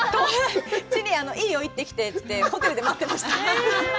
いいよ、行ってきてって言って、ホテルで待ってました。